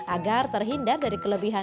agar terhindar dari kelebihan